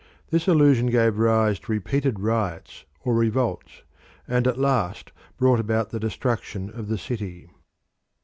This illusion gave rise to repeated riots or revolts, and at last brought about the destruction of the city.